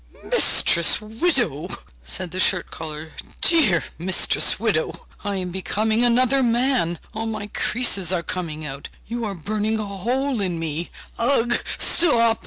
'Mistress widow!' said the shirt collar, 'dear mistress widow! I am becoming another man, all my creases are coming out; you are burning a hole in me! Ugh!